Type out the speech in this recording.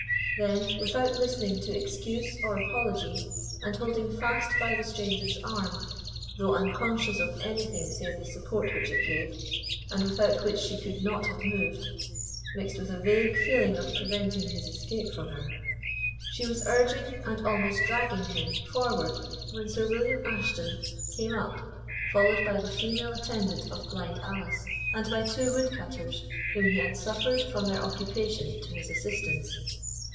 Then, without listening to excuse or apology, and holding fast by the stranger's arm, though unconscious of anything save the support which it gave, and without which she could not have moved, mixed with a vague feeling of preventing his escape from her, she was urging, and almost dragging, him forward when Sir William Ashton came up, followed by the female attendant of blind Alice, and by two woodcutters, whom he had summoned from their occupation to his assistance.